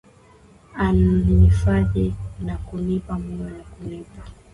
aniifadhi na kunipa moyo na kunipa